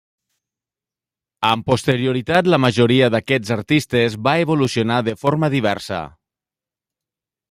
Amb posterioritat la majoria d'aquests artistes va evolucionar de forma diversa.